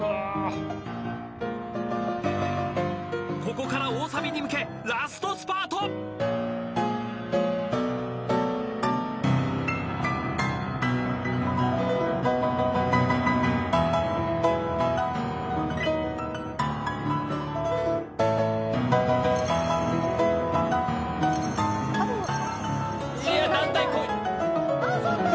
ここから大サビに向けラストスパート！座った！